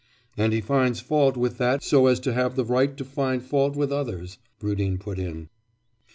'And he finds fault with that so as to have the right to find fault with others,' Rudin put in.